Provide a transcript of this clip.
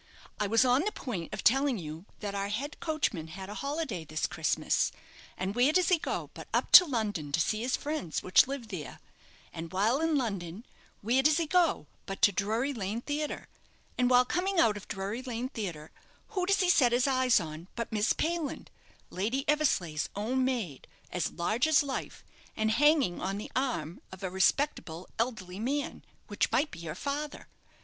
"I was on the point of telling you that our head coachman had a holiday this Christmas; and where does he go but up to London, to see his friends, which live there; and while in London where does he go but to Drury Lane Theatre; and while coming out of Drury Lane Theatre who does he set his eyes on but Miss Payland, Lady Eversleigh's own maid, as large as life, and hanging on the arm of a respectable elderly man, which might be her father.